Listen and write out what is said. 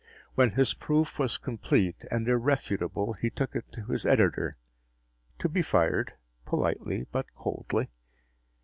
When his proof was complete and irrefutable, he took it to his editor to be fired, politely but coldly.